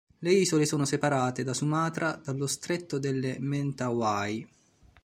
Le isole sono separate da Sumatra dallo Stretto delle Mentawai.